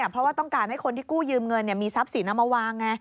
เพราะว่าต้องการให้คนที่กู้ยืมเงินมีทรัพย์สินเอามาวางไง